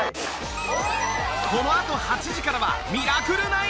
このあと８時からは『ミラクル９』